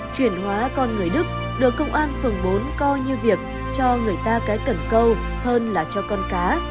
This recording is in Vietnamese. chuyển hóa con người đức được công an phường bốn coi như việc cho người ta cái cần câu hơn là cho con cá